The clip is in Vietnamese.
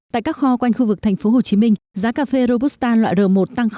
tại các kho quanh khu vực tp hcm giá cà phê robusta loại r một tăng